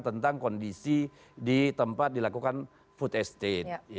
tentang kondisi di tempat dilakukan food estate